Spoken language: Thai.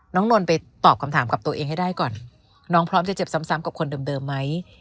นนท์ไปตอบคำถามกับตัวเองให้ได้ก่อนน้องพร้อมจะเจ็บซ้ำกับคนเดิมไหม